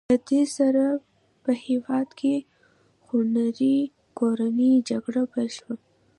له دې سره په هېواد کې خونړۍ کورنۍ جګړه پیل شوه.